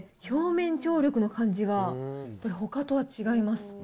表面張力の感じが、ほかとは違います。